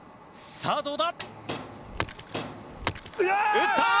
さあどうだ？